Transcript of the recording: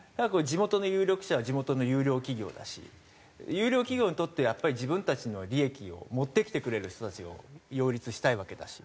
地元の有力者は地元の優良企業だし優良企業にとってやっぱり自分たちの利益を持ってきてくれる人たちを擁立したいわけだし。